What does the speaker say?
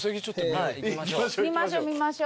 見ましょう見ましょう。